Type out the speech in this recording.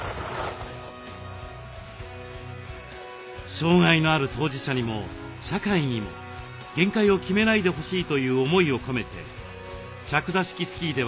障害のある当事者にも社会にも限界を決めないでほしいという思いを込めて着座式スキーでは前例のない挑戦を計画しています。